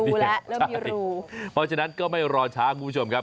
เพราะฉะนั้นก็ไม่รอช้าคุณผู้ชมครับ